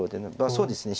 そうですね。